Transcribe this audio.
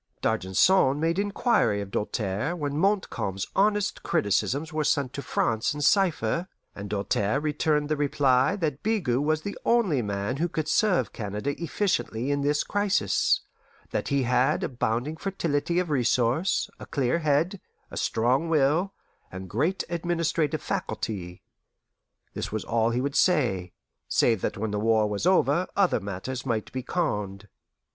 D'Argenson made inquiry of Doltaire when Montcalm's honest criticisms were sent to France in cipher, and Doltaire returned the reply that Bigot was the only man who could serve Canada efficiently in this crisis; that he had abounding fertility of resource, a clear head, a strong will, and great administrative faculty. This was all he would say, save that when the war was over other matters might be conned.